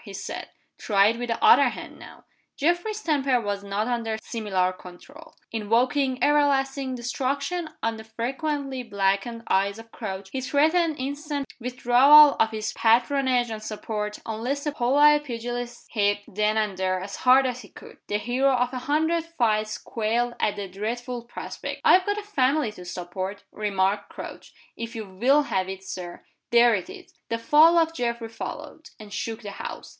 he said. "Try it with the other hand now." Geoffrey's temper was not under similar control. Invoking everlasting destruction on the frequently blackened eyes of Crouch, he threatened instant withdrawal of his patronage and support unless the polite pugilist hit, then and there, as hard as he could. The hero of a hundred fights quailed at the dreadful prospect. "I've got a family to support," remarked Crouch. "If you will have it, Sir there it is!" The fall of Geoffrey followed, and shook the house.